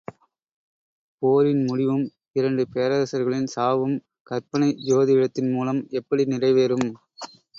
போரின் முடிவும், இரண்டு பேரரசர்களின் சாவும், கற்பனை ஜோதிடத்தின் மூலம் எப்படி நிறைவேறும்.